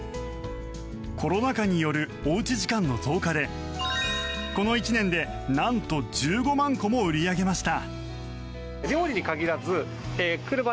コロナ禍によるおうち時間の増加でこの１年でなんと１５万個も売り上げました。